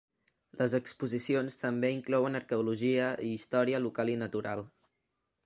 Les exposicions també inclouen arqueologia i història local i natural.